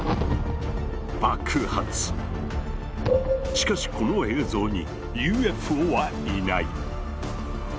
しかしこの映像にＵＦＯはいない。